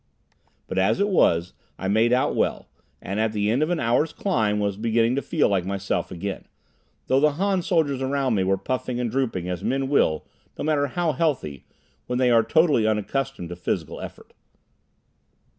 But as it was I made out well, and at the end of an hour's climb was beginning to feel like myself again, though the Han soldiers around me were puffing and drooping as men will, no matter how healthy, when they are totally unaccustomed to physical effort.